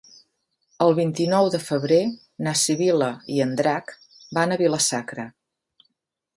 El vint-i-nou de febrer na Sibil·la i en Drac van a Vila-sacra.